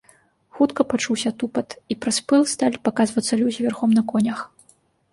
Хутка пачуўся тупат, і праз пыл сталі паказвацца людзі вярхом на конях.